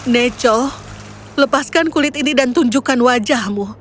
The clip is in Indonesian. neco lepaskan kulit ini dan tunjukkan wajahmu